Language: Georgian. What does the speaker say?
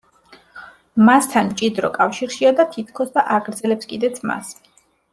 მასთან მჭიდრო კავშირშია და თითქოს და აგრძელებს კიდეც მას.